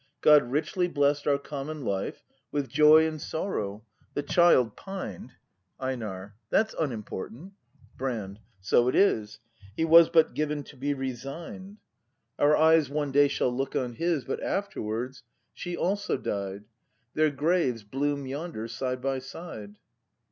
God richly bless'd our common life With joy and sorrow: The child pined Einar. That's unimportant Brand. So it is; He was but given to be resign'd; 252 BRAND [act v Our eyes one day shall look on his. But afterwards she also died; Their graves bloom yonder side by side.